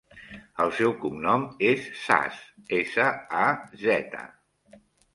El seu cognom és Saz: essa, a, zeta.